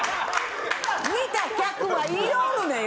見た客が言いよるねん！